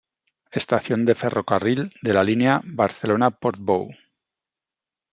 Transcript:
Estación de ferrocarril de la línea Barcelona-Portbou.